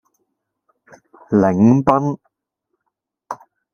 檸賓